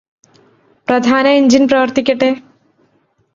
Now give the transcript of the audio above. പ്രധാന എന്ജിന് പ്രവര്ത്തിക്കട്ടെ